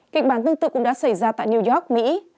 kịch bản tương tự cũng đã xảy ra tại new york mỹ